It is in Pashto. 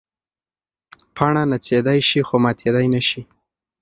پاڼه نڅېدی شي خو ماتېدی نه شي.